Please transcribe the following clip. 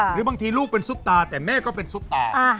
หรือบางทีลูกเป็นซุปตาแต่แม่ก็เป็นซุปตา